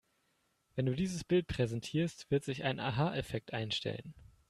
Wenn du dieses Bild präsentierst, wird sich ein Aha-Effekt einstellen.